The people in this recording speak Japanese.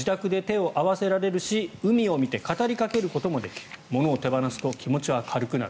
いつでも自宅で手を合わせられるし海を見て語りかけることもできるものを手放すと気持ちは軽くなる。